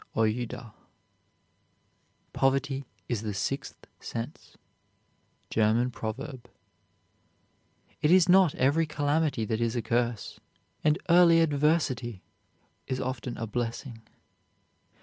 OUIDA. Poverty is the sixth sense. GERMAN PROVERB. It is not every calamity that is a curse, and early adversity is often a blessing.